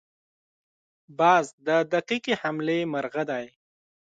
باز د دقیقې حملې مرغه دی